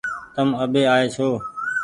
تم آٻي آئي ڇو